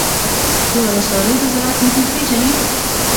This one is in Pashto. د ولسوالۍ د زراعت مدیر پیژنئ؟